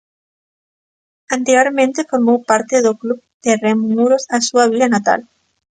Anteriormente formou parte do Club de Remo Muros, a súa vila natal.